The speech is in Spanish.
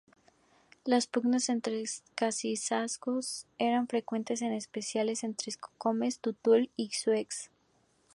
Las pugnas entre cacicazgos eran frecuentes, en especial entre cocomes y tutul xiúes.